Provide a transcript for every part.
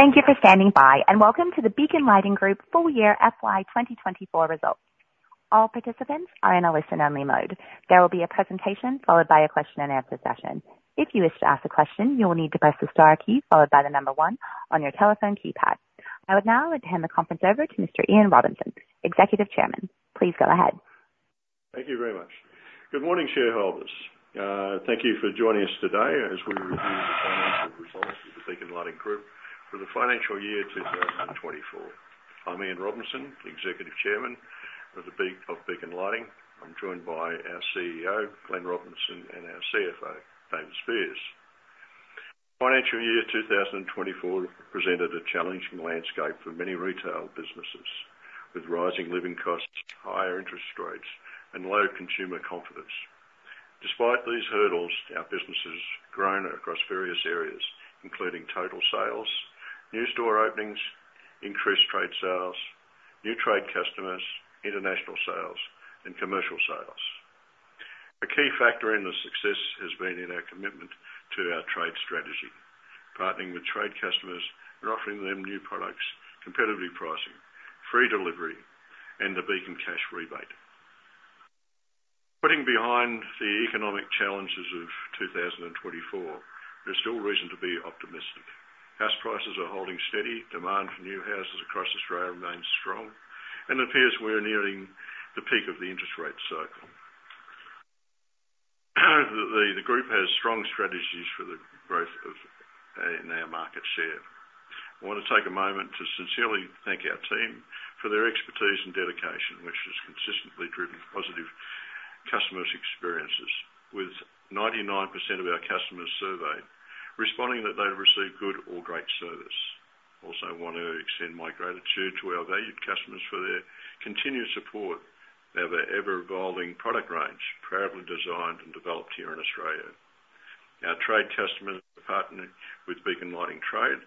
Thank you for standing by, and welcome to the Beacon Lighting Group full year FY 2024 results. All participants are in a listen-only mode. There will be a presentation followed by a question and answer session. If you wish to ask a question, you will need to press the star key followed by the number one on your telephone keypad. I would now hand the conference over to Mr. Ian Robinson, Executive Chairman. Please go ahead. Thank you very much. Good morning, shareholders. Thank you for joining us today as we review the financial results of the Beacon Lighting Group for the financial year two thousand and twenty-four. I'm Ian Robinson, Executive Chairman of Beacon Lighting. I'm joined by our CEO, Glen Robinson, and our CFO, David Speirs. Financial year two thousand and twenty-four presented a challenging landscape for many retail businesses, with rising living costs, higher interest rates, and low consumer confidence. Despite these hurdles, our business has grown across various areas, including total sales, new store openings, increased trade sales, new trade customers, international sales, and commercial sales. A key factor in the success has been in our commitment to our trade strategy, partnering with trade customers and offering them new products, competitive pricing, free delivery, and the Beacon Cash Rebate. Putting behind the economic challenges of two thousand and twenty-four, there's still reason to be optimistic. House prices are holding steady. Demand for new houses across Australia remains strong, and it appears we're nearing the peak of the interest rate cycle. The Group has strong strategies for the growth in our market share. I want to take a moment to sincerely thank our team for their expertise and dedication, which has consistently driven positive customers' experiences, with 99% of our customers surveyed responding that they've received good or great service. I also want to extend my gratitude to our valued customers for their continued support of our ever-evolving product range, proudly designed and developed here in Australia. Our trade customers partner with Beacon Trade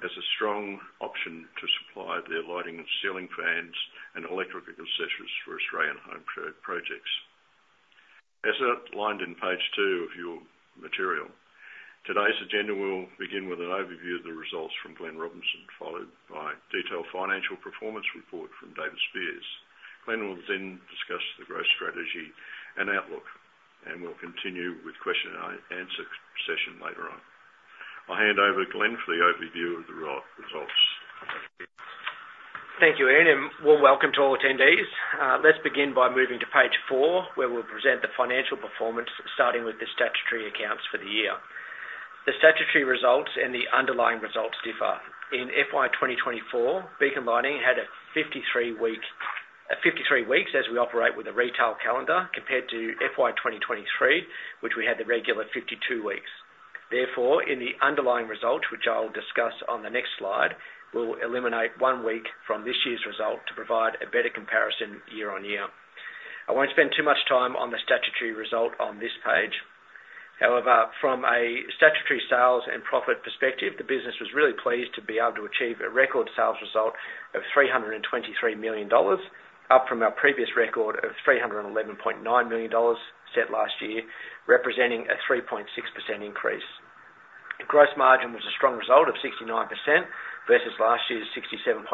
as a strong option to supply their lighting and ceiling fans and electrical accessories for Australian home projects. As outlined on page two of your material, today's agenda will begin with an overview of the results from Glen Robinson, followed by detailed financial performance report from David Speirs. Glen will then discuss the growth strategy and outlook, and we'll continue with question and answer session later on. I'll hand over to Glen for the overview of the results. Thank you, Ian, and welcome to all attendees. Let's begin by moving to page four, where we'll present the financial performance, starting with the statutory accounts for the year. The statutory results and the underlying results differ. In FY 2024, Beacon Lighting had a 53 week, 53 weeks as we operate with a retail calendar, compared to FY 2023, which we had the regular 52 weeks. Therefore, in the underlying results, which I'll discuss on the next slide, we'll eliminate one week from this year's result to provide a better comparison year-on-year. I won't spend too much time on the statutory result on this page. However, from a statutory sales and profit perspective, the business was really pleased to be able to achieve a record sales result of AUD $323 million, up from our previous record of AUD $311.9 million set last year, representing a 3.6% increase. The gross margin was a strong result of 69% versus last year's 67.7%.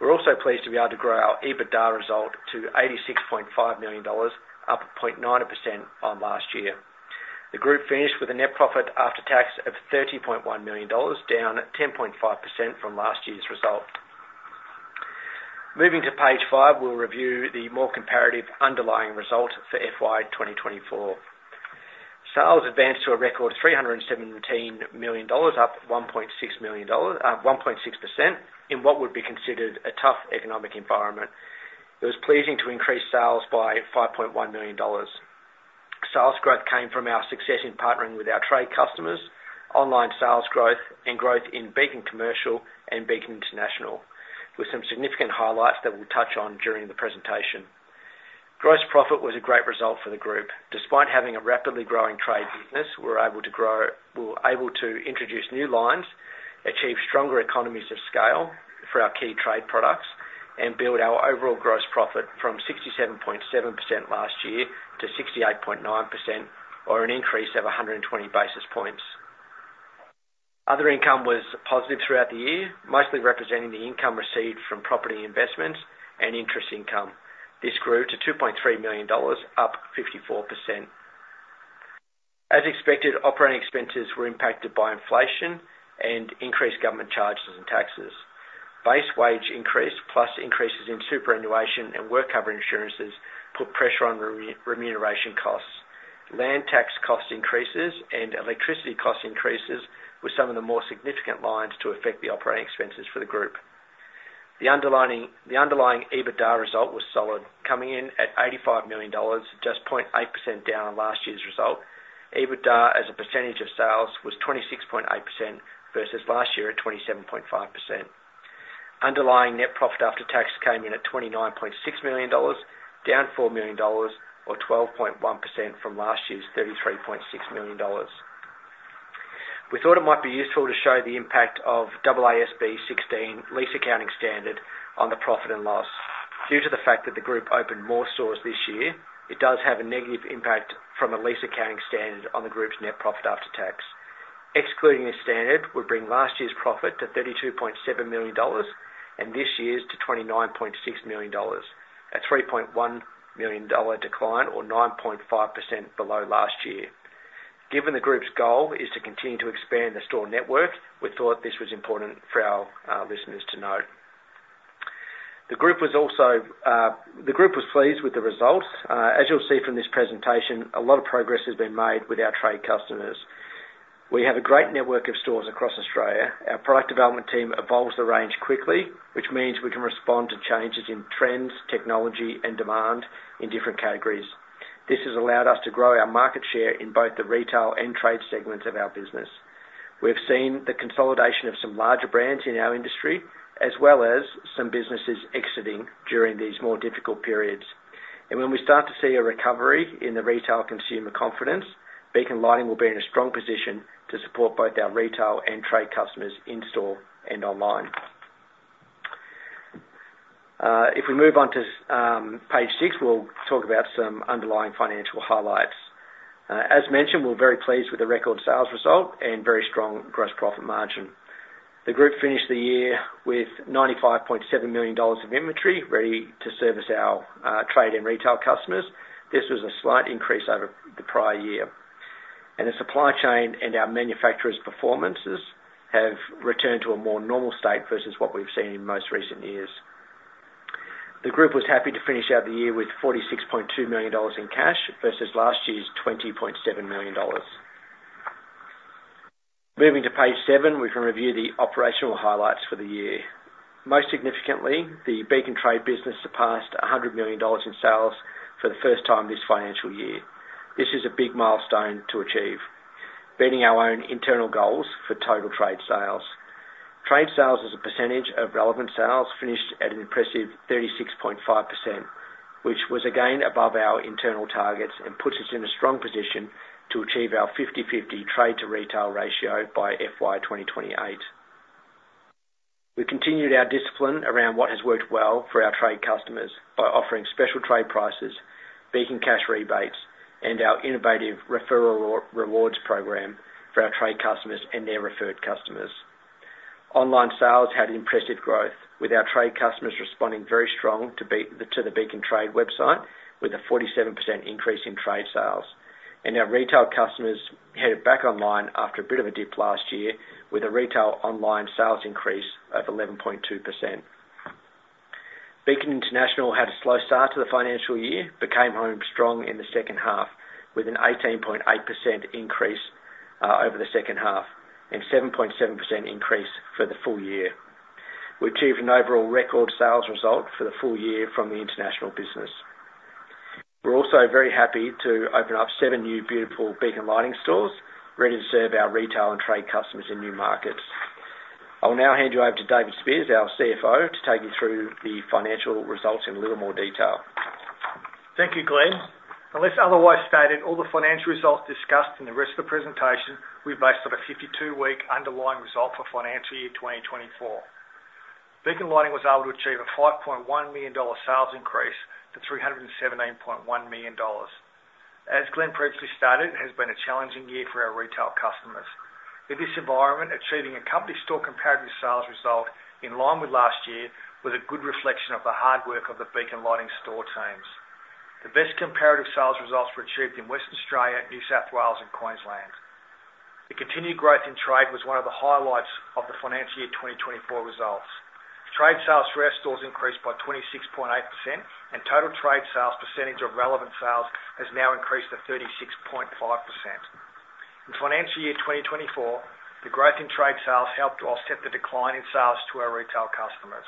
We're also pleased to be able to grow our EBITDA result to AUD $86.5 million, up 0.9% on last year. The Group finished with a net profit after tax of AUD $30.1 million, down 10.5% from last year's result. Moving to page five, we'll review the more comparative underlying result for FY 2024. Sales advanced to a record AUD $317 million, up 1.6% in what would be considered a tough economic environment. It was pleasing to increase sales by AUD $5.1 million. Sales growth came from our success in partnering with our trade customers, online sales growth, and growth in Beacon Commercial and Beacon International, with some significant highlights that we'll touch on during the presentation. Gross profit was a great result for the group. Despite having a rapidly growing trade business, we were able to introduce new lines, achieve stronger economies of scale for our key trade products, and build our overall gross profit from 67.7% last year to 68.9%, or an increase of 120 basis points. Other income was positive throughout the year, mostly representing the income received from property investments and interest income. This grew to AUD $2.3 million, up 54%. As expected, operating expenses were impacted by inflation and increased government charges and taxes. Base wage increase, plus increases in superannuation and WorkCover insurances, put pressure on remuneration costs. Land tax cost increases and electricity cost increases were some of the more significant lines to affect the operating expenses for the Group. The underlying EBITDA result was solid, coming in at AUD $85 million, just 0.8% down on last year's result. EBITDA as a percentage of sales was 26.8% versus last year at 27.5%. Underlying net profit after tax came in at AUD $29.6 million, down AUD $4 million or 12.1% from last year's AUD $33.6 million. We thought it might be useful to show the impact of AASB 16 lease accounting standard on the profit and loss. Due to the fact that the group opened more stores this year, it does have a negative impact from a lease accounting standard on the group's net profit after tax. Excluding this standard, would bring last year's profit to AUD $32.7 million, and this year's to AUD $29.6 million, a AUD $3.1 million decline, or 9.5% below last year. Given the group's goal is to continue to expand the store network, we thought this was important for our listeners to know. The group was pleased with the results. As you'll see from this presentation, a lot of progress has been made with our trade customers. We have a great network of stores across Australia. Our product development team evolves the range quickly, which means we can respond to changes in trends, technology, and demand in different categories. This has allowed us to grow our market share in both the retail and trade segments of our business. We've seen the consolidation of some larger brands in our industry, as well as some businesses exiting during these more difficult periods, and when we start to see a recovery in the retail consumer confidence, Beacon Lighting will be in a strong position to support both our retail and trade customers in-store and online. If we move on to page six, we'll talk about some underlying financial highlights. As mentioned, we're very pleased with the record sales result and very strong gross profit margin. The group finished the year with AUD $95.7 million of inventory ready to service our trade and retail customers. This was a slight increase over the prior year. The supply chain and our manufacturers' performances have returned to a more normal state versus what we've seen in most recent years. The group was happy to finish out the year with AUD $46.2 million in cash, versus last year's AUD $20.7 million. Moving to page seven, we can review the operational highlights for the year. Most significantly, the Beacon Trade business surpassed AUD $100 million in sales for the first time this financial year. This is a big milestone to achieve, beating our own internal goals for total trade sales. Trade sales as a percentage of relevant sales finished at an impressive 36.5%, which was again above our internal targets and puts us in a strong position to achieve our fifty-fifty trade-to-retail ratio by FY 2028. We continued our discipline around what has worked well for our trade customers by offering special trade prices, Beacon Cash rebates, and our innovative referral rewards program for our trade customers and their referred customers. Online sales had impressive growth, with our trade customers responding very strong to the Beacon Trade website, with a 47% increase in trade sales. And our retail customers headed back online after a bit of a dip last year, with a retail online sales increase of 11.2%. Beacon International had a slow start to the financial year, but came home strong in the second half, with an 18.8% increase over the second half, and 7.7% increase for the full year. We achieved an overall record sales result for the full year from the international business. We're also very happy to open up seven new beautiful Beacon Lighting stores, ready to serve our retail and trade customers in new markets. I'll now hand you over to David Speirs, our CFO, to take you through the financial results in a little more detail. Thank you, Glen. Unless otherwise stated, all the financial results discussed in the rest of the presentation were based on a 52-week underlying result for financial year 2024. Beacon Lighting was able to achieve a AUD $5.1 million sales increase to AUD $317.1 million. As Glen previously stated, it has been a challenging year for our retail customers. In this environment, achieving a company store comparative sales result in line with last year was a good reflection of the hard work of the Beacon Lighting store teams. The best comparative sales results were achieved in Western Australia, New South Wales, and Queensland. The continued growth in trade was one of the highlights of the financial year 2024 results. Trade sales for our stores increased by 26.8%, and total trade sales percentage of relevant sales has now increased to 36.5%. In financial year 2024, the growth in trade sales helped to offset the decline in sales to our retail customers.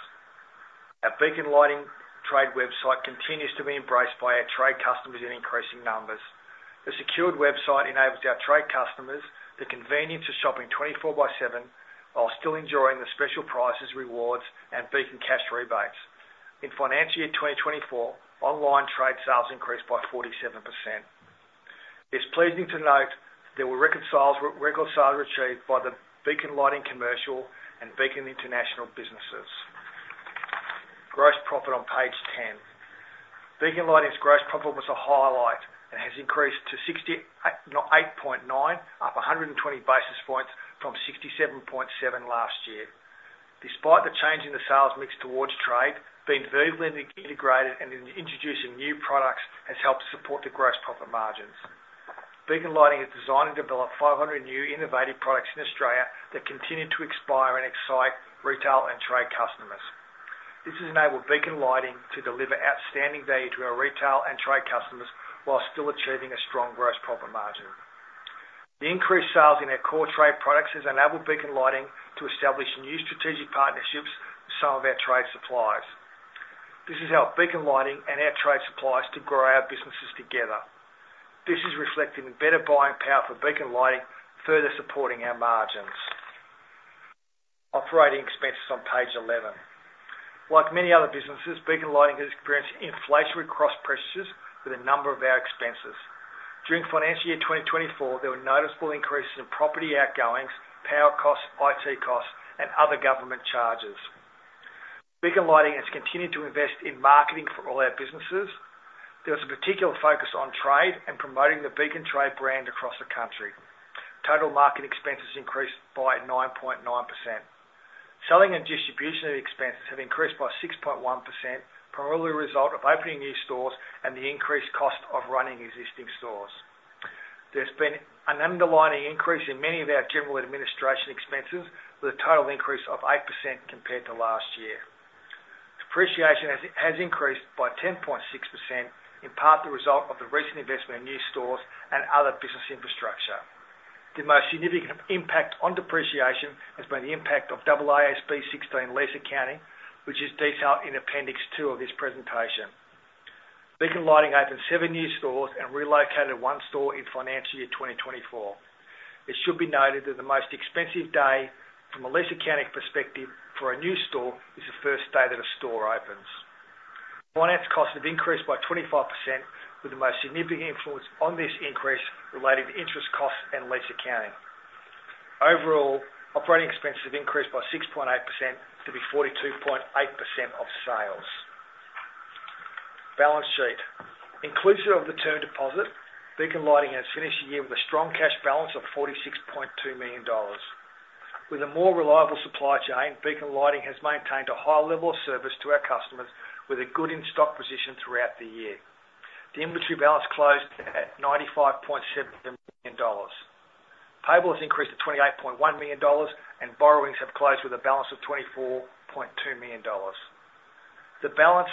Our Beacon Lighting Trade website continues to be embraced by our trade customers in increasing numbers. The secure website enables our trade customers the convenience of shopping twenty-four by seven, while still enjoying the special prices, rewards, and Beacon Cash rebates. In financial year 2024, online trade sales increased by 47%. It's pleasing to note there were remarkable record sales achieved by the Beacon Lighting Commercial and Beacon International businesses. Gross profit on page ten. Beacon Lighting's gross profit was a highlight, and has increased to 68.9%, up 120 basis points from 67.7% last year. Despite the change in the sales mix towards trade, being vertically integrated and in introducing new products has helped support the gross profit margins. Beacon Lighting has designed and developed 500 new innovative products in Australia that continue to inspire and excite retail and trade customers. This has enabled Beacon Lighting to deliver outstanding value to our retail and trade customers, while still achieving a strong gross profit margin. The increased sales in our core trade products has enabled Beacon Lighting to establish new strategic partnerships with some of our trade suppliers. This has helped Beacon Lighting and our trade suppliers to grow our businesses together. This is reflecting the better buying power for Beacon Lighting, further supporting our margins. Operating expenses on page eleven. Like many other businesses, Beacon Lighting has experienced inflationary cost pressures with a number of our expenses. During financial year 2024, there were noticeable increases in property outgoings, power costs, IT costs, and other government charges. Beacon Lighting has continued to invest in marketing for all our businesses. There was a particular focus on trade and promoting the Beacon Trade brand across the country. Total marketing expenses increased by 9.9%. Selling and distribution expenses have increased by 6.1%, primarily a result of opening new stores and the increased cost of running existing stores. There's been an underlying increase in many of our general administration expenses, with a total increase of 8% compared to last year. Depreciation has increased by 10.6%, in part the result of the recent investment in new stores and other business infrastructure. The most significant impact on depreciation has been the impact of AASB 16 lease accounting, which is detailed in Appendix Two of this presentation. Beacon Lighting opened seven new stores and relocated one store in financial year 2024. It should be noted that the most expensive day from a lease accounting perspective for a new store, is the first day that a store opens. Finance costs have increased by 25%, with the most significant influence on this increase related to interest costs and lease accounting. Overall, operating expenses have increased by 6.8% to be 42.8% of sales. Balance sheet. Inclusive of the term deposit, Beacon Lighting has finished the year with a strong cash balance of AUD $46.2 million. With a more reliable supply chain, Beacon Lighting has maintained a high level of service to our customers, with a good in-stock position throughout the year. The inventory balance closed at AUD $95.7 million. Payables increased to AUD $28.1 million, and borrowings have closed with a balance of AUD $24.2 million. The balance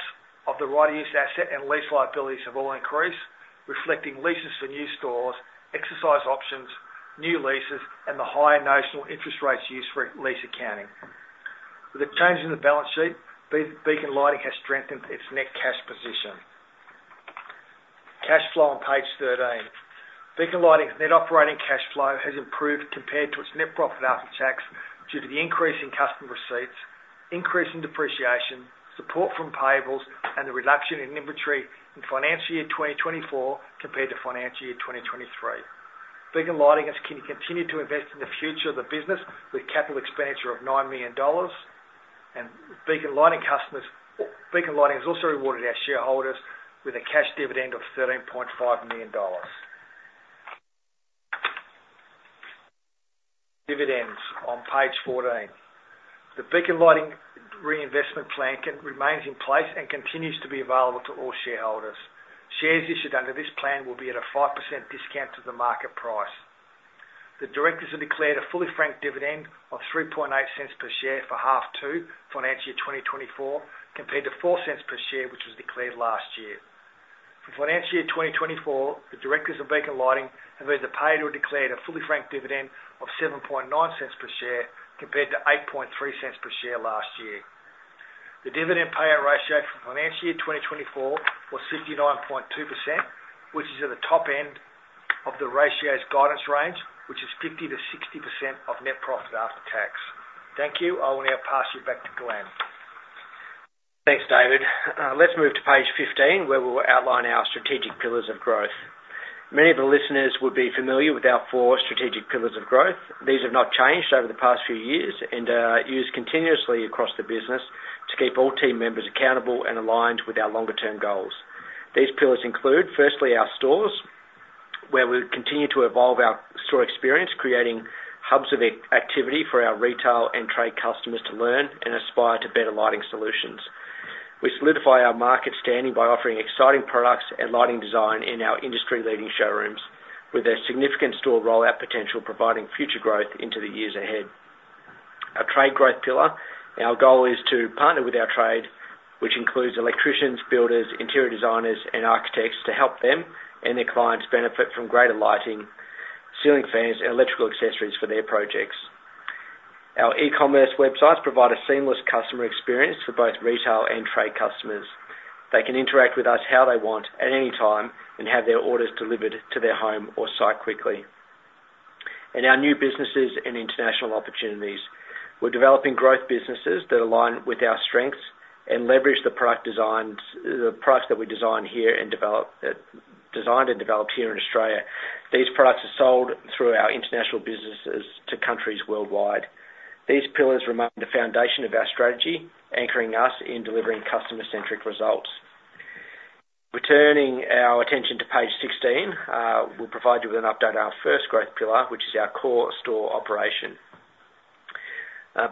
of the right-of-use asset and lease liabilities have all increased, reflecting leases for new stores, exercise options, new leases, and the higher notional interest rates used for lease accounting. With the change in the balance sheet, Beacon Lighting has strengthened its net cash position. Cash flow on page 13. Beacon Lighting's net operating cash flow has improved compared to its net profit after tax, due to the increase in customer receipts, increase in depreciation, support from payables, and the reduction in inventory in financial year 2024 compared to financial year 2023. Beacon Lighting has continued to invest in the future of the business with capital expenditure of AUD $9 million, and Beacon Lighting has also rewarded our shareholders with a cash dividend of AUD $13.5 million. Dividends on page 14. The Beacon Lighting Reinvestment Plan remains in place and continues to be available to all shareholders. Shares issued under this plan will be at a 5% discount to the market price. The directors have declared a fully franked dividend of AUD $0.039 per share for half two, financial year 2024, compared to AUD $0.04 per share, which was declared last year. For financial year 2024, the directors of Beacon Lighting have either paid or declared a fully franked dividend of AUD $0.079 per share, compared to AUD $0.083 per share last year. The dividend payout ratio for financial year 2024 was 69.2%, which is at the top end of the ratio's guidance range, which is 50%-60% of net profit after tax. Thank you. I will now pass you back to Glen. Thanks, David. Let's move to page fifteen, where we'll outline our strategic pillars of growth. Many of the listeners will be familiar with our four strategic pillars of growth. These have not changed over the past few years and used continuously across the business to keep all team members accountable and aligned with our longer-term goals. These pillars include, firstly, our stores, where we continue to evolve our store experience, creating hubs of activity for our retail and trade customers to learn and aspire to better lighting solutions. We solidify our market standing by offering exciting products and lighting design in our industry-leading showrooms, with a significant store rollout potential, providing future growth into the years ahead. Our trade growth pillar, and our goal is to partner with our trade, which includes electricians, builders, interior designers, and architects, to help them and their clients benefit from greater lighting, ceiling fans, and electrical accessories for their projects. Our e-commerce websites provide a seamless customer experience for both retail and trade customers. They can interact with us how they want, at any time, and have their orders delivered to their home or site quickly, and our new businesses and international opportunities. We're developing growth businesses that align with our strengths and leverage the product designs, the products that we design here and develop, designed and developed here in Australia. These products are sold through our international businesses to countries worldwide. These pillars remain the foundation of our strategy, anchoring us in delivering customer-centric results. Returning our attention to page sixteen, we'll provide you with an update on our first growth pillar, which is our core store operation.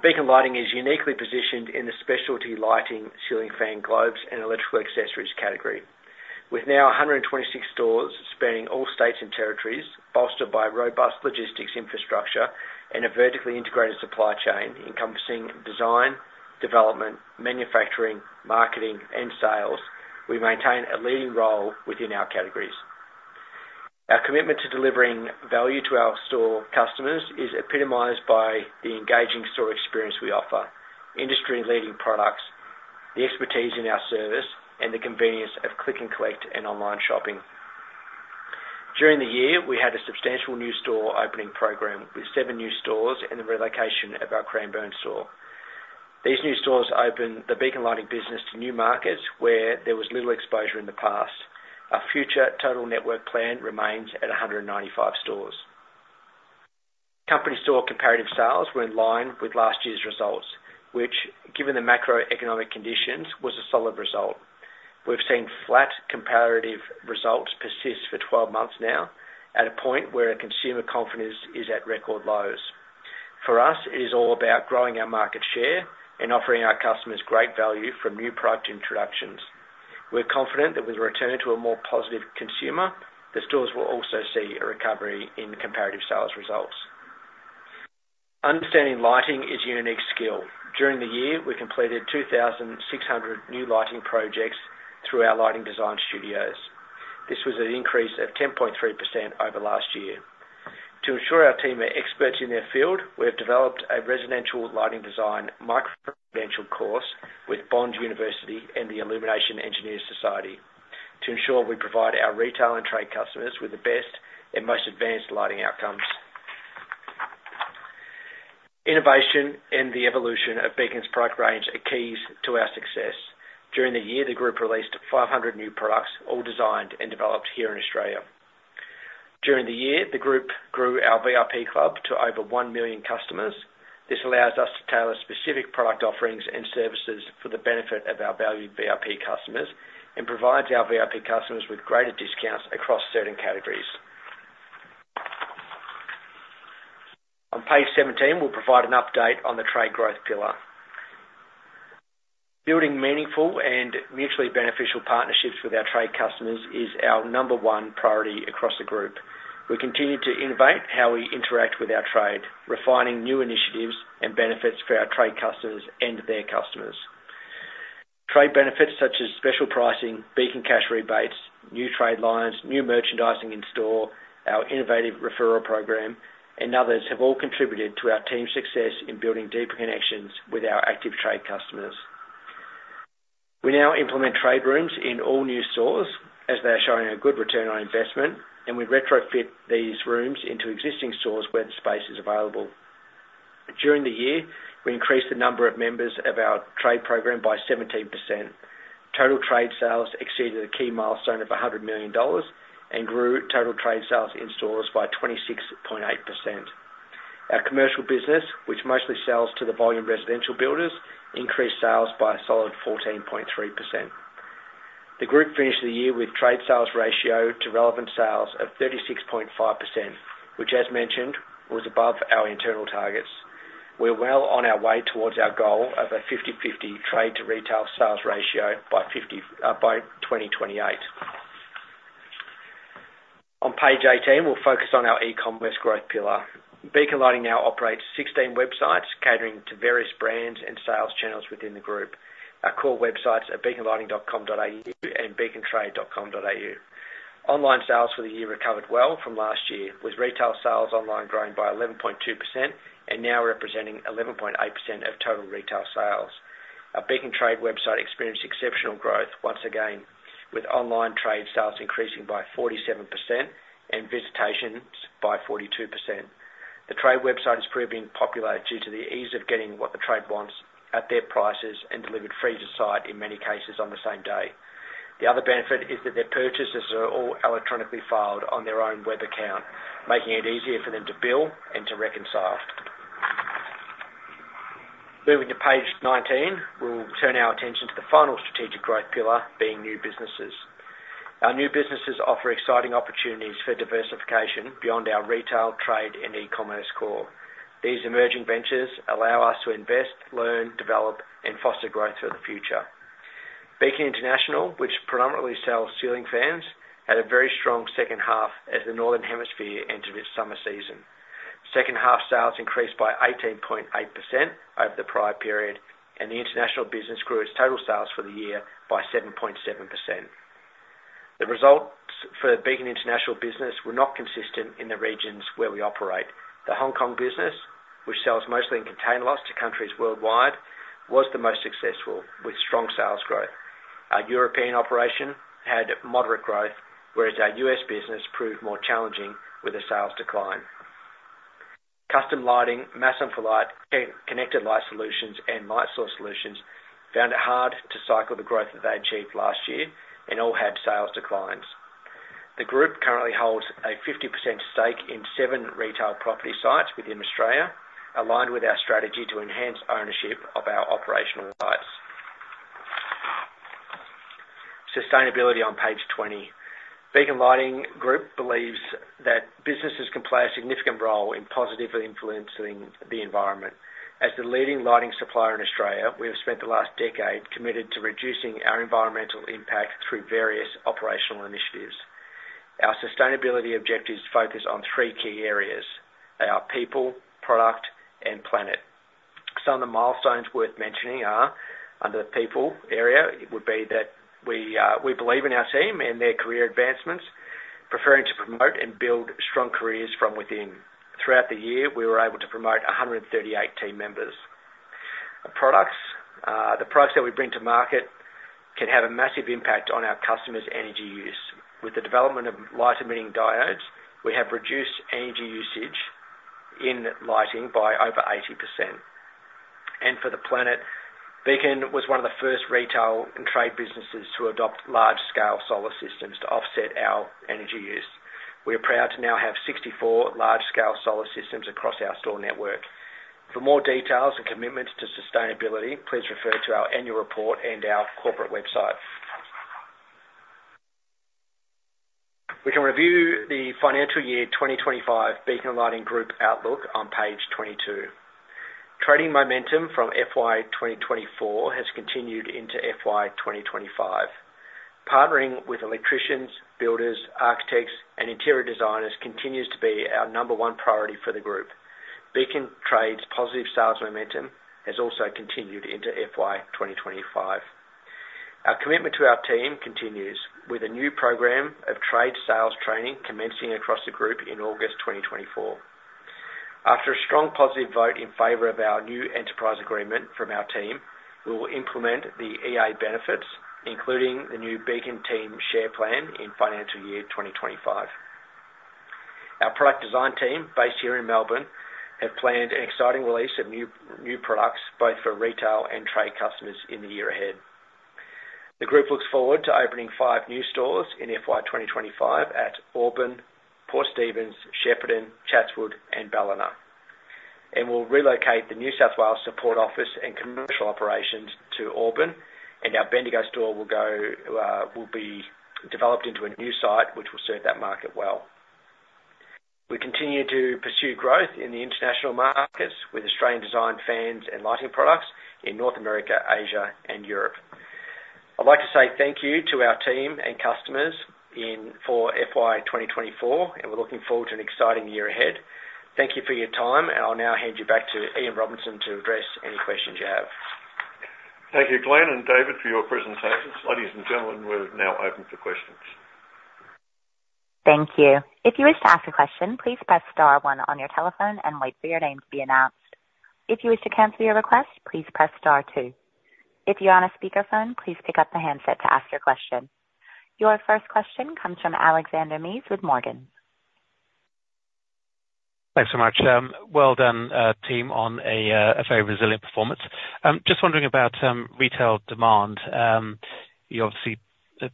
Beacon Lighting is uniquely positioned in the specialty lighting, ceiling fan, globes, and electrical accessories category. With now one hundred and twenty-six stores spanning all states and territories, bolstered by robust logistics infrastructure and a vertically integrated supply chain encompassing design, development, manufacturing, marketing, and sales, we maintain a leading role within our categories. Our commitment to delivering value to our store customers is epitomized by the engaging store experience we offer, industry-leading products, the expertise in our service, and the convenience of click and collect and online shopping. During the year, we had a substantial new store opening program, with seven new stores and the relocation of our Cranbourne store.... These new stores open the Beacon Lighting business to new markets where there was little exposure in the past. Our future total network plan remains at 195 stores. Company store comparative sales were in line with last year's results, which, given the macroeconomic conditions, was a solid result. We've seen flat comparative results persist for 12 months now, at a point where our consumer confidence is at record lows. For us, it is all about growing our market share and offering our customers great value from new product introductions. We're confident that with a return to a more positive consumer, the stores will also see a recovery in comparative sales results. Understanding lighting is a unique skill. During the year, we completed 2,600 new lighting projects through our lighting design studios. This was an increase of 10.3% over last year. To ensure our team are experts in their field, we have developed a residential lighting design micro-credential course with Bond University and the Illuminating Engineering Society, to ensure we provide our retail and trade customers with the best and most advanced lighting outcomes. Innovation and the evolution of Beacon's product range are keys to our success. During the year, the group released 500 new products, all designed and developed here in Australia. During the year, the group grew our VIP Club to over 1 million customers. This allows us to tailor specific product offerings and services for the benefit of our valued VIP customers and provides our VIP customers with greater discounts across certain categories. On page 17, we'll provide an update on the trade growth pillar. Building meaningful and mutually beneficial partnerships with our trade customers is our number one priority across the group. We continue to innovate how we interact with our trade, refining new initiatives and benefits for our trade customers and their customers. Trade benefits such as special pricing, Beacon Cash rebates, new trade lines, new merchandising in-store, our innovative referral program, and others, have all contributed to our team's success in building deeper connections with our active trade customers. We now implement trade rooms in all new stores as they are showing a good return on investment, and we retrofit these rooms into existing stores where the space is available. During the year, we increased the number of members of our trade program by 17%. Total trade sales exceeded a key milestone of AUD $100 million and grew total trade sales in stores by 26.8%. Our commercial business, which mostly sells to the volume residential builders, increased sales by a solid 14.3%. The group finished the year with trade sales ratio to relevant sales of 36.5%, which, as mentioned, was above our internal targets. We're well on our way towards our goal of a fifty/fifty trade to retail sales ratio by 2028. On page 18, we'll focus on our e-commerce growth pillar. Beacon Lighting now operates 16 websites, catering to various brands and sales channels within the group. Our core websites are beaconlighting.com.au and beacontrade.com.au. Online sales for the year recovered well from last year, with retail sales online growing by 11.2% and now representing 11.8% of total retail sales. Our Beacon Trade website experienced exceptional growth once again, with online trade sales increasing by 47% and visitations by 42%. The trade website is proving popular due to the ease of getting what the trade wants at their prices and delivered free to site, in many cases, on the same day. The other benefit is that their purchases are all electronically filed on their own web account, making it easier for them to bill and to reconcile. Moving to page nineteen, we'll turn our attention to the final strategic growth pillar, being new businesses. Our new businesses offer exciting opportunities for diversification beyond our retail, trade, and e-commerce core. These emerging ventures allow us to invest, learn, develop, and foster growth for the future. Beacon International, which predominantly sells ceiling fans, had a very strong second half as the Northern Hemisphere entered its summer season. Second half sales increased by 18.8% over the prior period, and the international business grew its total sales for the year by 7.7%. The results for the Beacon International business were not consistent in the regions where we operate. The Hong Kong business, which sells mostly in container lots to countries worldwide, was the most successful, with strong sales growth. Our European operation had moderate growth, whereas our U.S. business proved more challenging with a sales decline. Custom Lighting, Masson For Light, Connected Light Solutions, and Light Source Solutions found it hard to cycle the growth that they achieved last year and all had sales declines. The group currently holds a 50% stake in seven retail property sites within Australia, aligned with our strategy to enhance ownership of our operational sites. Sustainability on page twenty. Beacon Lighting Group believes that businesses can play a significant role in positively influencing the environment. As the leading lighting supplier in Australia, we have spent the last decade committed to reducing our environmental impact through various operational initiatives. Our sustainability objectives focus on three key areas: they are people, product, and planet. Some of the milestones worth mentioning are, under the people area, it would be that we believe in our team and their career advancements, preferring to promote and build strong careers from within. Throughout the year, we were able to promote 138 team members. The products that we bring to market can have a massive impact on our customers' energy use. With the development of light-emitting diodes, we have reduced energy usage in lighting by over 80%. And for the planet, Beacon was one of the first retail and trade businesses to adopt large-scale solar systems to offset our energy use. We are proud to now have sixty-four large-scale solar systems across our store network. For more details and commitments to sustainability, please refer to our annual report and our corporate website. We can review the financial year 2025 Beacon Lighting Group outlook on page 22. Trading momentum from FY 2024 has continued into FY 2025. Partnering with electricians, builders, architects, and interior designers continues to be our number one priority for the group. Beacon Trade's positive sales momentum has also continued into FY 2025. Our commitment to our team continues, with a new program of trade sales training commencing across the group in August 2024. After a strong positive vote in favor of our new enterprise agreement from our team, we will implement the EA benefits, including the new Beacon Team Share Plan in financial year 2025. Our product design team, based here in Melbourne, have planned an exciting release of new products, both for retail and trade customers in the year ahead. The group looks forward to opening five new stores in FY 2025 at Auburn, Port Stephens, Shepparton, Chatswood, and Ballina, and we'll relocate the New South Wales support office and commercial operations to Auburn, and our Bendigo store will be developed into a new site, which will serve that market well. We continue to pursue growth in the international markets with Australian designed fans and lighting products in North America, Asia, and Europe. I'd like to say thank you to our team and customers in FY 2024, and we're looking forward to an exciting year ahead. Thank you for your time, and I'll now hand you back to Ian Robinson to address any questions you have. Thank you, Glen and David, for your presentations. Ladies and gentlemen, we're now open for questions. Thank you. If you wish to ask a question, please press star one on your telephone and wait for your name to be announced. If you wish to cancel your request, please press star two. If you're on a speakerphone, please pick up the handset to ask your question. Your first question comes from Alexander Mees with Morgans. Thanks so much. Well done, team, on a very resilient performance. Just wondering about retail demand. You obviously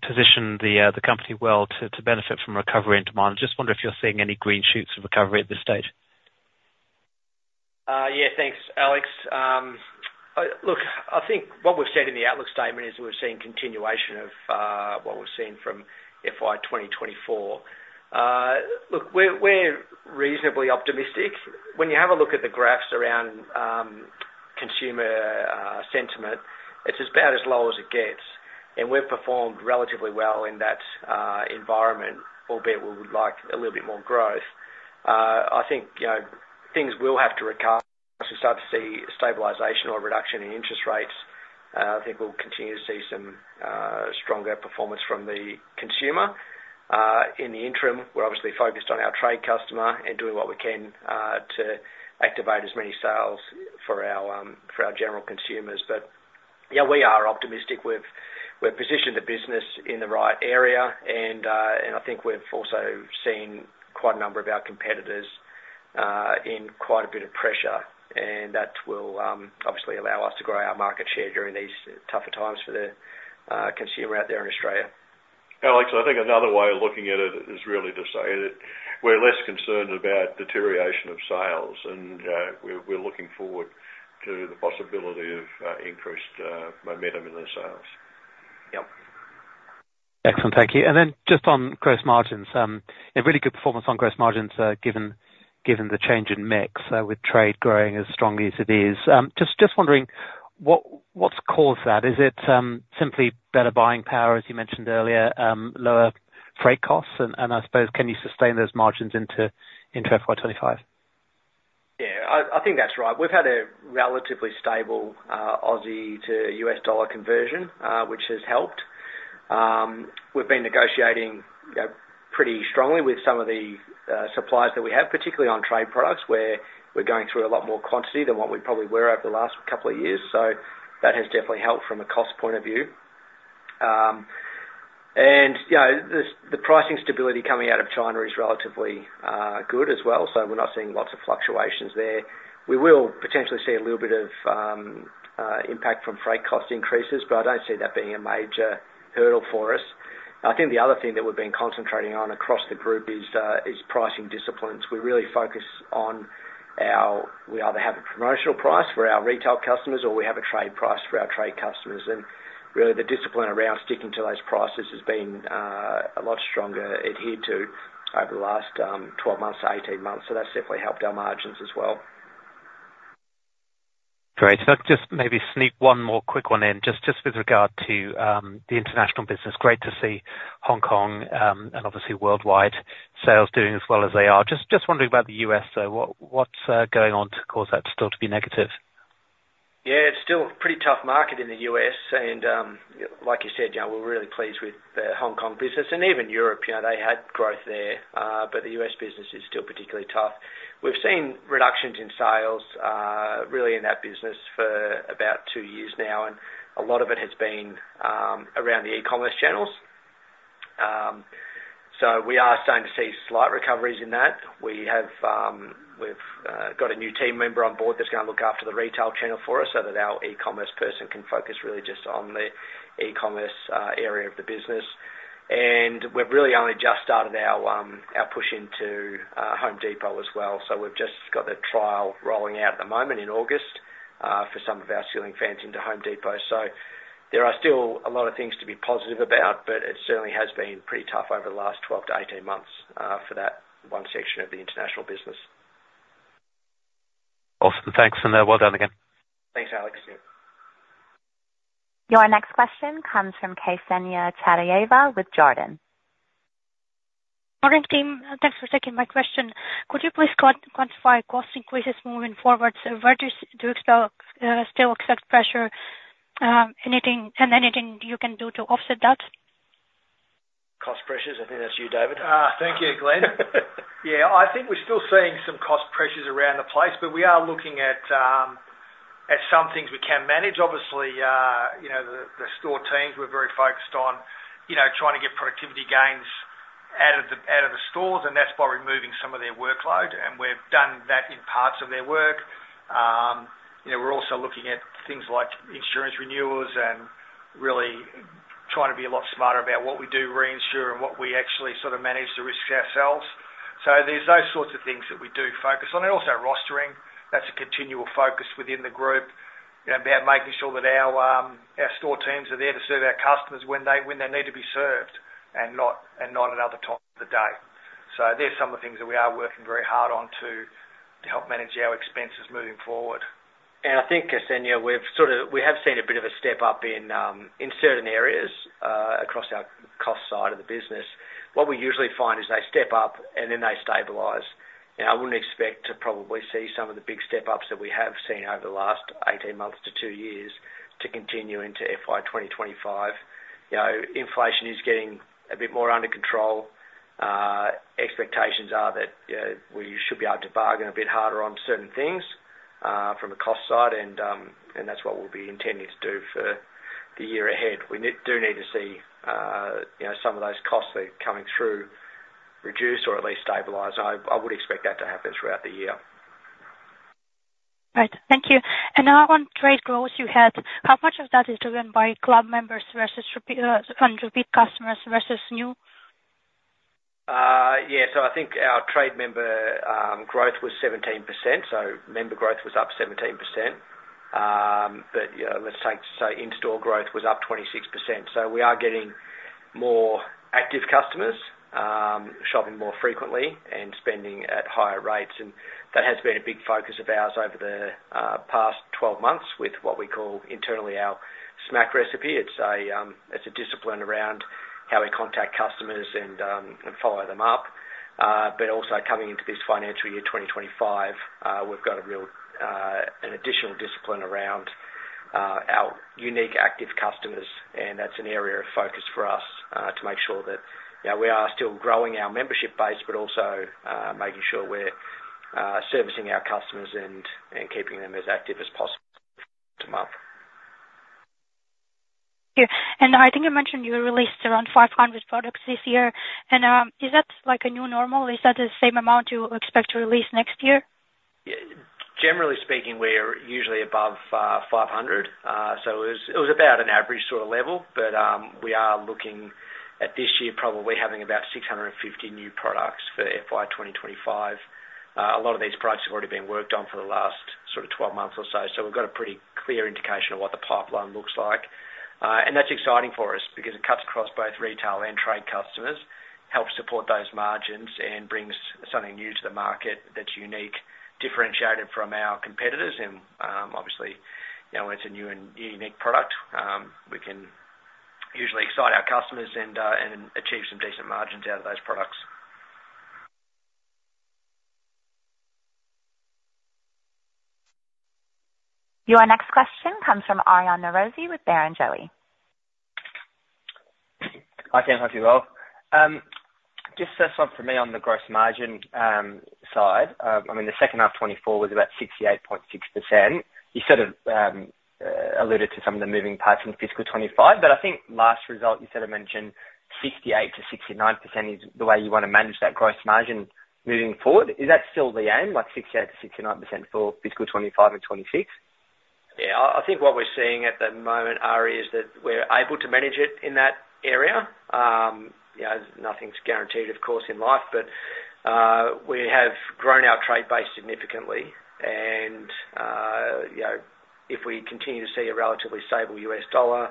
positioned the company well to benefit from recovery in demand. Just wonder if you're seeing any green shoots of recovery at this stage? Yeah, thanks, Alex. Look, I think what we've said in the outlook statement is we're seeing continuation of what we're seeing from FY 2024. Look, we're reasonably optimistic. When you have a look at the graphs around consumer sentiment, it's about as low as it gets, and we've performed relatively well in that environment, albeit we would like a little bit more growth. I think, you know, things will have to recover as we start to see stabilization or reduction in interest rates. I think we'll continue to see some stronger performance from the consumer. In the interim, we're obviously focused on our trade customer and doing what we can to activate as many sales for our general consumers. But yeah, we are optimistic. We've positioned the business in the right area, and I think we've also seen quite a number of our competitors in quite a bit of pressure, and that will obviously allow us to grow our market share during these tougher times for the consumer out there in Australia. Alex, I think another way of looking at it is really to say that we're less concerned about deterioration of sales, and we're looking forward to the possibility of increased momentum in the sales. Yep. Excellent. Thank you. And then just on gross margins, a really good performance on gross margins, given the change in mix, with trade growing as strongly as it is. Just wondering, what's caused that? Is it simply better buying power, as you mentioned earlier, lower freight costs? And I suppose, can you sustain those margins into FY 2025? Yeah, I think that's right. We've had a relatively stable Aussie to US dollar conversion, which has helped. We've been negotiating, you know, pretty strongly with some of the suppliers that we have, particularly on trade products, where we're going through a lot more quantity than what we probably were over the last couple of years. So that has definitely helped from a cost point of view. And, you know, the pricing stability coming out of China is relatively good as well, so we're not seeing lots of fluctuations there. We will potentially see a little bit of impact from freight cost increases, but I don't see that being a major hurdle for us. I think the other thing that we've been concentrating on across the group is pricing disciplines. We really focus on, we either have a promotional price for our retail customers, or we have a trade price for our trade customers, and really, the discipline around sticking to those prices has been a lot stronger adhered to over the last 12 months to 18 months, so that's definitely helped our margins as well. Great. So just maybe sneak one more quick one in, just with regard to the international business. Great to see Hong Kong and obviously worldwide sales doing as well as they are. Just wondering about the US, though. What's going on to cause that still to be negative? Yeah, it's still a pretty tough market in the US, and, like you said, you know, we're really pleased with the Hong Kong business and even Europe, you know, they had growth there, but the US business is still particularly tough. We've seen reductions in sales, really in that business for about two years now, and a lot of it has been around the e-commerce channels. So we are starting to see slight recoveries in that. We've got a new team member on board that's gonna look after the retail channel for us, so that our e-commerce person can focus really just on the e-commerce area of the business. And we've really only just started our push into Home Depot as well. So we've just got the trial rolling out at the moment in August for some of our ceiling fans into Home Depot. So there are still a lot of things to be positive about, but it certainly has been pretty tough over the last 12-18 months for that one section of the international business. Awesome. Thanks, and, well done again. Thanks, Alex. Your next question comes from Ksenia Chatayeva with Jarden. Morning, team. Thanks for taking my question. Could you please quantify cost increases moving forward? So where do you still expect pressure, and anything you can do to offset that? Cost pressures? I think that's you, David. Thank you, Glen. Yeah, I think we're still seeing some cost pressures around the place, but we are looking at at some things we can manage. Obviously, you know, the store teams, we're very focused on, you know, trying to get productivity gains out of the stores, and that's by removing some of their workload, and we've done that in parts of their work. You know, we're also looking at things like insurance renewals and really trying to be a lot smarter about what we do reinsure and what we actually sort of manage the risks ourselves. So there's those sorts of things that we do focus on, and also rostering. That's a continual focus within the group, you know, about making sure that our store teams are there to serve our customers when they need to be served, and not another time of the day, so there's some of the things that we are working very hard on to help manage our expenses moving forward. I think, Ksenia, we've sort of seen a bit of a step up in certain areas across our cost side of the business. What we usually find is they step up and then they stabilize. I wouldn't expect to probably see some of the big step-ups that we have seen over the last eighteen months to two years to continue into FY 2025. You know, inflation is getting a bit more under control. Expectations are that, you know, we should be able to bargain a bit harder on certain things from a cost side, and that's what we'll be intending to do for the year ahead. We do need to see, you know, some of those costs that are coming through reduce or at least stabilize. I would expect that to happen throughout the year. Right. Thank you. And now on trade growth you had, how much of that is driven by club members versus repeat, and repeat customers versus new? Yeah, so I think our trade member growth was 17%, so member growth was up 17%. But, you know, let's take, say, in-store growth was up 26%. So we are getting more active customers, shopping more frequently and spending at higher rates, and that has been a big focus of ours over the past 12 months, with what we call internally our SMAC recipe. It's a, it's a discipline around how we contact customers and, and follow them up. But also coming into this financial year, 2025, we've got a real, an additional discipline around our unique active customers, and that's an area of focus for us, to make sure that, you know, we are still growing our membership base, but also, making sure we're servicing our customers and keeping them as active as possible to month. Yeah, and I think you mentioned you released around 500 products this year, and is that like a new normal? Is that the same amount you expect to release next year? Yeah. Generally speaking, we're usually above 500. So it was about an average sort of level, but we are looking at this year probably having about 650 new products for FY 2025. A lot of these products have already been worked on for the last sort of 12 months or so, so we've got a pretty clear indication of what the pipeline looks like. And that's exciting for us because it cuts across both retail and trade customers, helps support those margins, and brings something new to the market that's unique, differentiated from our competitors, and obviously, you know, it's a new and unique product. We can usually excite our customers and achieve some decent margins out of those products. Your next question comes from Aryan Norozi with Barrenjoey. Hi, team. How are you all? Just first one for me on the gross margin, side. I mean, the second half 2024 was about 68.6%. You sort of alluded to some of the moving parts in fiscal 2025, but I think last result you sort of mentioned 68%-69% is the way you wanna manage that gross margin moving forward. Is that still the aim, like 68%-69% for fiscal 2025 and 2026? Yeah, I think what we're seeing at the moment, Ari, is that we're able to manage it in that area. You know, nothing's guaranteed, of course, in life, but we have grown our trade base significantly, and you know, if we continue to see a relatively stable US dollar,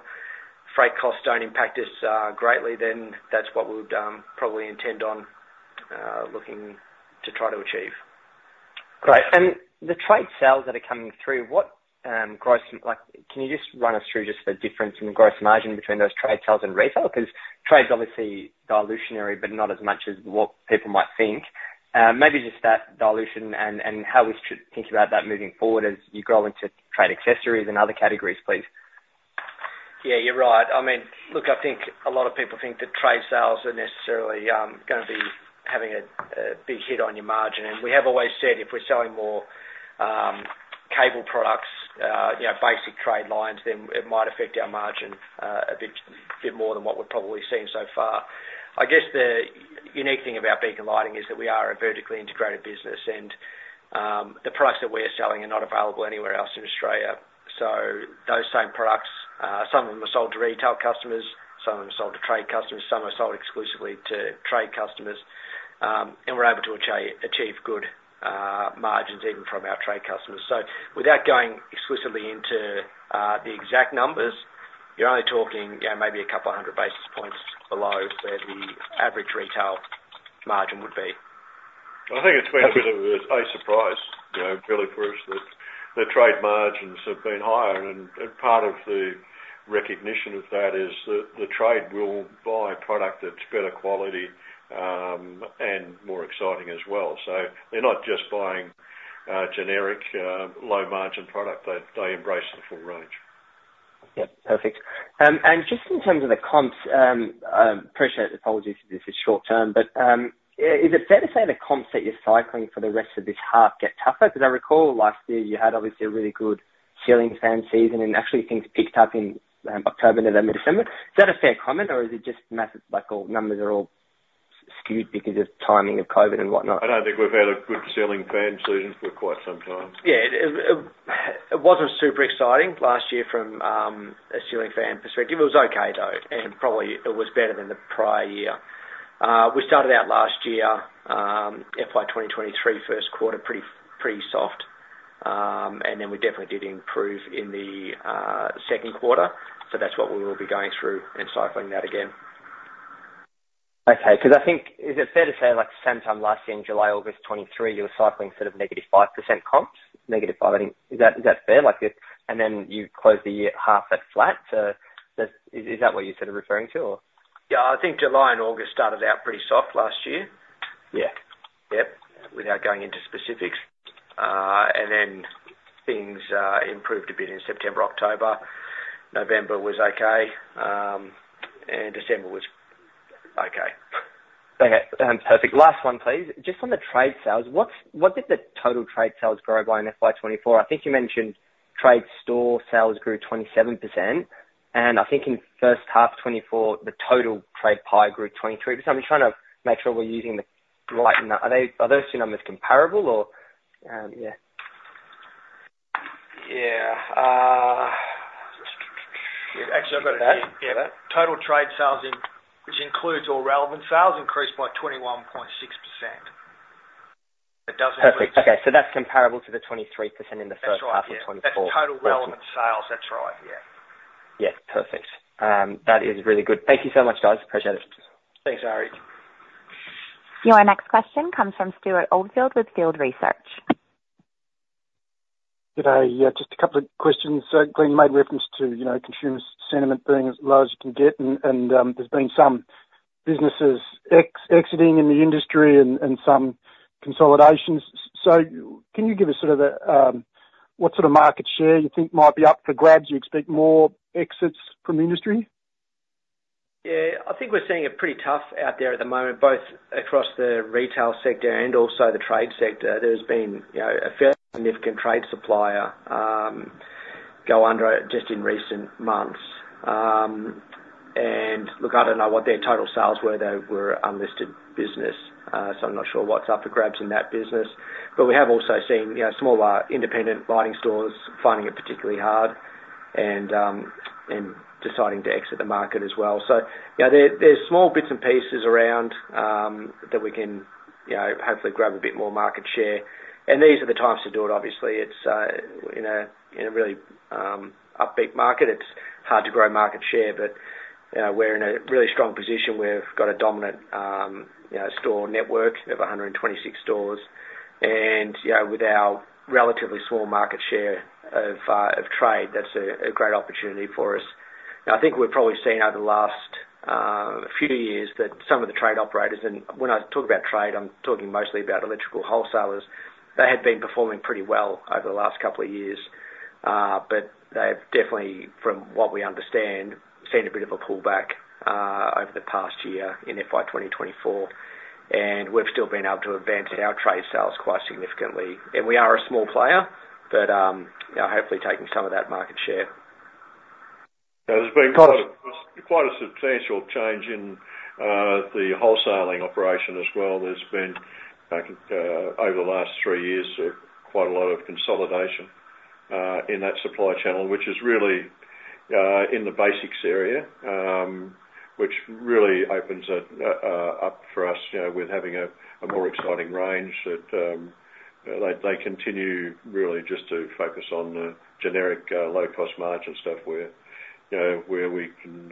freight costs don't impact us greatly, then that's what we would probably intend on looking to try to achieve. Great. And the trade sales that are coming through, what gross... Like, can you just run us through just the difference in gross margin between those trade sales and retail? 'Cause trade's obviously dilutionary, but not as much as what people might think. Maybe just that dilution and how we should think about that moving forward as you grow into trade accessories and other categories, please. Yeah, you're right. I mean, look, I think a lot of people think that trade sales are necessarily gonna be having a big hit on your margin, and we have always said if we're selling more cable products, you know, basic trade lines, then it might affect our margin a bit more than what we've probably seen so far. I guess the unique thing about Beacon Lighting is that we are a vertically integrated business, and the price that we are selling are not available anywhere else in Australia. So those same products, some of them are sold to retail customers, some of them are sold to trade customers, some are sold exclusively to trade customers, and we're able to achieve good margins even from our trade customers. Without going explicitly into the exact numbers, you're only talking, you know, maybe a couple of hundred basis points below where the average retail margin would be. I think it's been a bit of a surprise, you know, really, for us, that the trade margins have been higher. And part of the recognition of that is that the trade will buy product that's better quality, and more exciting as well. So they're not just buying generic, low-margin product, but they embrace the full range. Yep, perfect. And just in terms of the comps, I appreciate, apologies if this is short term, but is it fair to say the comps that you're cycling for the rest of this half get tougher? Because I recall last year you had obviously a really good ceiling fan season, and actually things picked up in October to the mid-December. Is that a fair comment, or is it just massive, like, all numbers are all skewed because of timing of COVID and whatnot? I don't think we've had a good ceiling fan season for quite some time. Yeah, it wasn't super exciting last year from a ceiling fan perspective. It was okay, though, and probably it was better than the prior year. We started out last year, FY 2023, Q1, pretty soft. And then we definitely did improve in the Q2, so that's what we will be going through and cycling that again. Okay. 'Cause I think, is it fair to say, like, the same time last year, in July, August 2023, you were cycling sort of negative 5% comps? Negative five, I think. Is that, is that fair? Like, if and then you closed the year half at flat. So that, is, is that what you're sort of referring to or? Yeah. I think July and August started out pretty soft last year. Yeah. Yep. Without going into specifics, and then things improved a bit in September, October. November was okay, and December was okay. Okay. Perfect. Last one, please. Just on the trade sales, what did the total trade sales grow by in FY 2024? I think you mentioned trade store sales grew 27%, and I think in first half of 2024, the total trade pie grew 23%. I'm just trying to make sure we're using the right numbers. Are they, are those two numbers comparable or, yeah? Yeah. Actually, I've got it here. Got it? Yeah. Total trade sales, in which includes all relevant sales, increased by 21.6%. It does- Perfect. Okay, so that's comparable to the 23% in the first half of 2024. That's right. Yeah. That's total relevant sales. That's right. Yeah. Yeah. Perfect. That is really good. Thank you so much, guys. Appreciate it. Thanks, Ari. Your next question comes from Stewart Oldfield with Field Research. Good day. Yeah, just a couple of questions. So Glen made reference to, you know, consumer sentiment being as low as it can get, and there's been some businesses exiting in the industry and some consolidations. So can you give us sort of what sort of market share you think might be up for grabs? You expect more exits from the industry? Yeah, I think we're seeing it pretty tough out there at the moment, both across the retail sector and also the trade sector. There's been, you know, a fairly significant trade supplier go under just in recent months, and look, I don't know what their total sales were. They were unlisted business, so I'm not sure what's up for grabs in that business, but we have also seen, you know, smaller independent lighting stores finding it particularly hard and deciding to exit the market as well, so you know, there's small bits and pieces around that we can, you know, hopefully grab a bit more market share, and these are the times to do it, obviously. It's in a really upbeat market. It's hard to grow market share, but you know, we're in a really strong position where we've got a dominant you know, store network of 126 stores, and you know, with our relatively small market share of trade, that's a great opportunity for us. I think we've probably seen over the last few years that some of the trade operators, and when I talk about trade, I'm talking mostly about electrical wholesalers, they had been performing pretty well over the last couple of years, but they've definitely, from what we understand, seen a bit of a pullback over the past year in FY 2024, and we've still been able to advance our trade sales quite significantly. And we are a small player, but, you know, hopefully taking some of that market share. There's been- Got it. Quite a substantial change in the wholesaling operation as well. There's been, I think, over the last three years, quite a lot of consolidation in that supply channel, which is really in the basics area, which really opens it up for us, you know, with having a more exciting range that they continue really just to focus on the generic low-cost margin stuff where, you know, where we can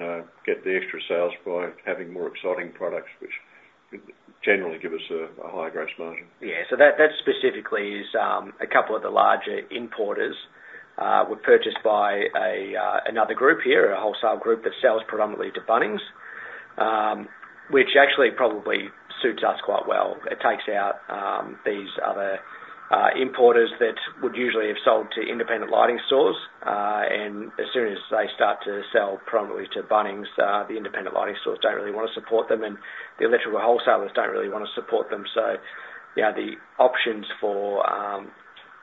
get the extra sales by having more exciting products, which generally give us a higher gross margin. Yeah. So that specifically is a couple of the larger importers were purchased by another group here, a wholesale group that sells predominantly to Bunnings, which actually probably suits us quite well. It takes out these other importers that would usually have sold to independent lighting stores and as soon as they start to sell prominently to Bunnings, the independent lighting stores don't really want to support them, and the electrical wholesalers don't really want to support them. So, you know, the options for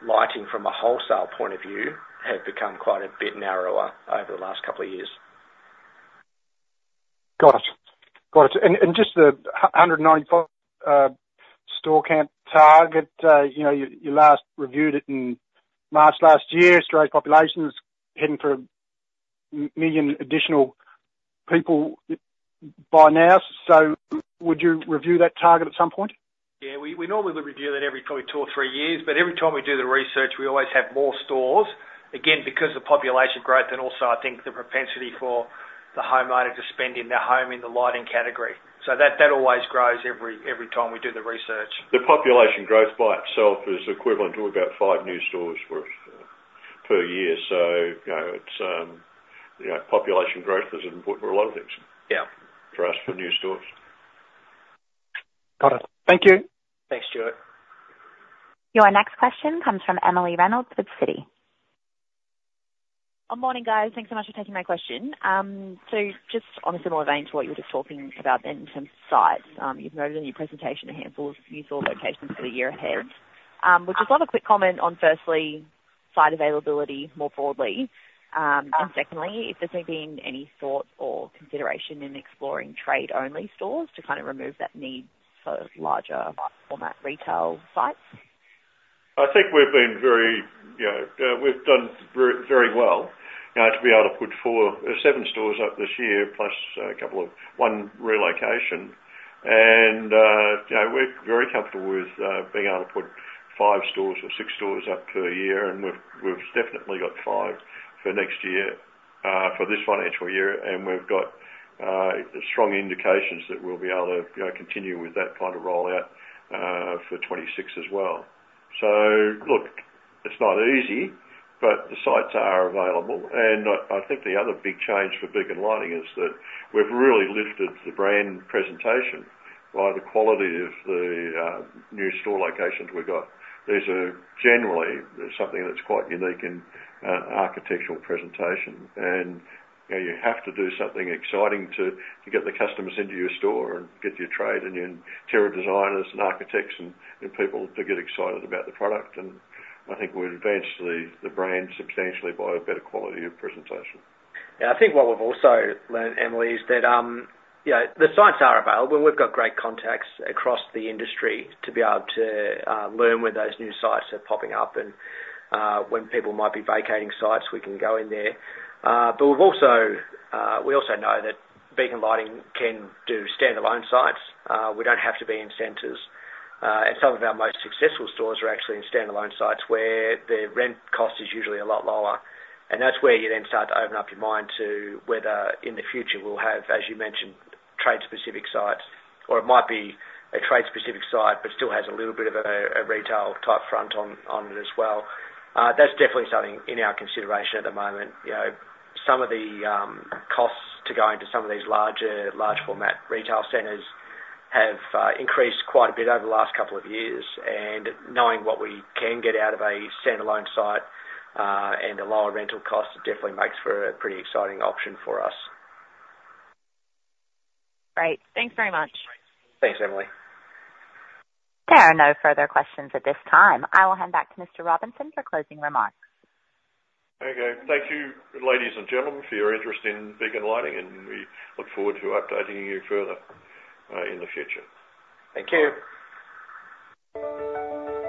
lighting from a wholesale point of view have become quite a bit narrower over the last couple of years. Got it. Got it. And just the hundred and ninety-five store count target, you know, you last reviewed it in March last year. Australia's population is heading for a million additional people by now, so would you review that target at some point? Yeah, we normally would review that every, probably two or three years, but every time we do the research, we always have more stores, again, because of population growth and also, I think, the propensity for the homeowner to spend in their home in the lighting category. So that always grows every time we do the research. The population growth by itself is equivalent to about five new stores worth per year. So, you know, it's, you know, population growth is important for a lot of things- Yeah for us, for new stores. Got it. Thank you. Thanks, Stuart. Your next question comes from Emily Reynolds with Citi. Good morning, guys. Thanks so much for taking my question so just on a similar vein to what you were just talking about then in terms of sites, you've noted in your presentation a handful of new store locations for the year ahead. We just want a quick comment on, firstly, site availability more broadly, and secondly, if there's been any thought or consideration in exploring trade-only stores to kind of remove that need for larger format retail sites? I think we've been very, you know, we've done very well, you know, to be able to put four to seven stores up this year, plus one relocation, and you know, we're very comfortable with being able to put five stores or six stores up per year, and we've definitely got five for next year, for this financial year, and we've got strong indications that we'll be able to, you know, continue with that kind of rollout for 2026 as well, so look, it's not easy, but the sites are available, and I think the other big change for Beacon Lighting is that we've really lifted the brand presentation by the quality of the new store locations we've got. These are generally something that's quite unique in architectural presentation. You know, you have to do something exciting to get the customers into your store and get your trade and your interior designers and architects and people to get excited about the product. I think we've advanced the brand substantially by a better quality of presentation. Yeah, I think what we've also learned, Emily, is that you know, the sites are available. We've got great contacts across the industry to be able to learn where those new sites are popping up, and when people might be vacating sites, we can go in there. But we've also, we also know that Beacon Lighting can do standalone sites. We don't have to be in centers. And some of our most successful stores are actually in standalone sites, where the rent cost is usually a lot lower. And that's where you then start to open up your mind to whether, in the future, we'll have, as you mentioned, trade-specific sites, or it might be a trade-specific site, but still has a little bit of a retail-type front on it as well. That's definitely something in our consideration at the moment. You know, some of the costs to go into some of these large format retail centers have increased quite a bit over the last couple of years, and knowing what we can get out of a standalone site and a lower rental cost, it definitely makes for a pretty exciting option for us. Great. Thanks very much. Thanks, Emily. There are no further questions at this time. I will hand back to Mr. Robinson for closing remarks. Okay. Thank you, ladies and gentlemen, for your interest in Beacon Lighting, and we look forward to updating you further, in the future. Thank you.